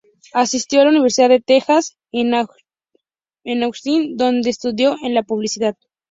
Asistió a la Universidad de Texas en Austin, donde estudió en la publicidad.